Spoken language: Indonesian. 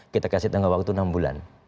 kita kasih tangga waktu enam bulan